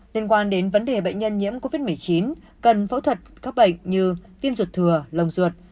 liên quan đến vấn đề bệnh nhân nhiễm covid một mươi chín cần phẫu thuật các bệnh như tim ruột thừa lồng ruột